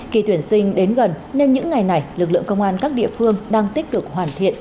kỳ tuyển sinh đến gần nên những ngày này lực lượng công an các địa phương đang tích cực hoàn thiện